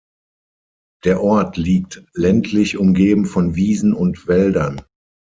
Der Ort liegt ländlich umgeben von Wiesen und Wäldern.